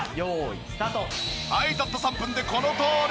はいたった３分でこのとおり！